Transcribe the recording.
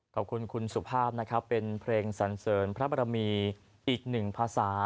ขอบคุณคุณสุภาพนะครับเป็นเพลงสันเสริญพระบรมีอีกหนึ่งภาษา